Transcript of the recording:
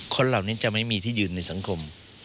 คนเหล่านี้จะไม่มีที่ยืนในสังคม